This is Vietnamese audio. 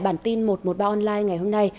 bản tin một trăm một mươi ba online ngày hôm nay